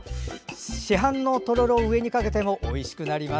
市販のとろろを上にかけてもおいしくなります。